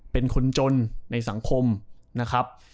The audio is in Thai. เป็นคนจนในสังคมนะครับ